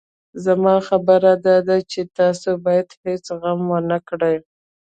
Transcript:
زما خبره داده چې تاسو بايد هېڅ غم ونه کړئ.